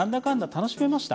楽しめました。